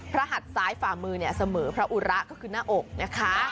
หัดซ้ายฝ่ามือเนี่ยเสมอพระอุระก็คือหน้าอกนะคะ